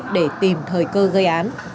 để tìm thời cơ gây án